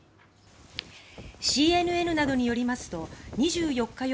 ＣＮＮなどによりますと２４日夜